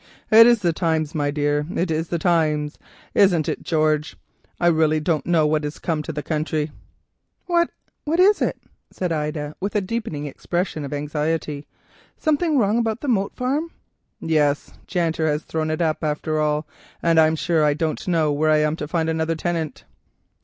"It is the times, my dear, it is the times; it isn't George. I really don't know what has come to the country." "What is it?" said Ida with a deepening expression of anxiety. "Something wrong with the Moat Farm?" "Yes; Janter has thrown it up after all, and I am sure I don't know where I am to find another tenant."